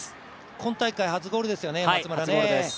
今大会初ゴールですよね、松村ね。